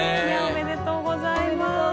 おめでとうございます。